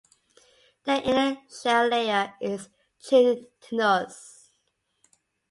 Their inner shell layer is chitinous.